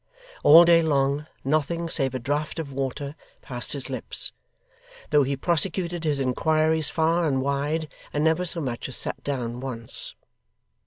All day long, nothing, save a draught of water, passed his lips; though he prosecuted his inquiries far and wide, and never so much as sat down, once.